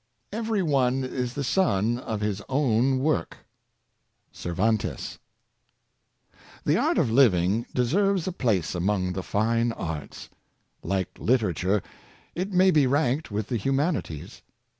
" Every one is the son of his own work." — Cervantes. HE art of living deserves a place among the fine arts. Like literature, it may be ranked with the humanities.